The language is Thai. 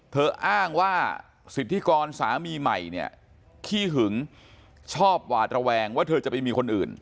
อ้างว่าสิทธิกรสามีใหม่เนี่ยขี้หึงชอบหวาดระแวงว่าเธอจะไปมีคนอื่น